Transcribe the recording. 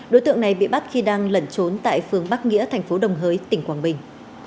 đối tượng này bị bắt khi đang lẩn trốn tại phương bắc nghĩa thành phố đồng hới tỉnh quảng bình